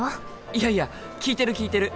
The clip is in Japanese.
いやいや聞いてる聞いてる。